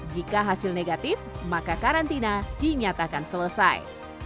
jika hasil negatif maka karantina dinyatakan selesai